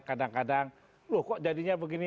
kadang kadang loh kok jadinya begini